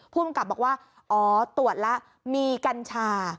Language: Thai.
ภูมิกับบอกว่าอ๋อตรวจแล้วมีกัญชา